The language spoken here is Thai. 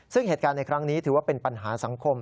ซึ่งเหตุการณ์ในครั้งนี้ถือว่าเป็นปัญหาสังคม